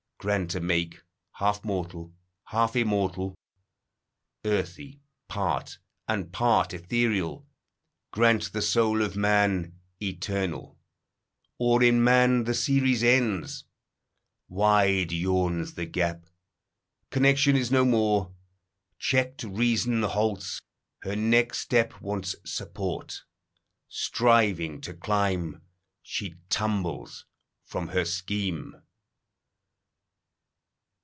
Grant a make Half mortal, half immortal; earthy, part, And part ethereal; grant the soul of man Eternal; or in man the series ends. Wide yawns the gap; connection is no more; Checked Reason halts; her next step wants support; Striving to climb, she tumbles from her scheme.